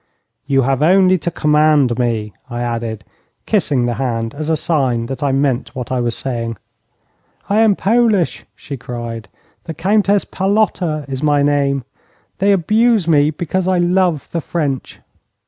'You have only to command me,' I added, kissing the hand as a sign that I meant what I was saying. 'I am Polish,' she cried; 'the Countess Palotta is my name. They abuse me because I love the French.